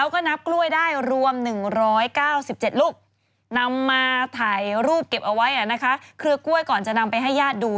เคลือกล้วยก่อนจะนำไปให้ญาติดู